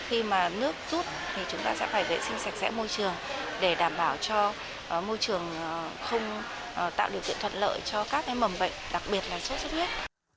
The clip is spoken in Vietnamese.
khi mà nước rút thì chúng ta sẽ phải vệ sinh sạch sẽ môi trường để đảm bảo cho môi trường không tạo điều kiện thuận lợi cho các mầm bệnh đặc biệt là sốt xuất huyết